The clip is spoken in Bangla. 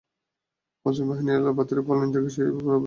মুসলিম বাহিনীর এলোপাথাড়ি পলায়ন থেকে সে পুরোপুরি ফায়দা লুটতে পারেনি।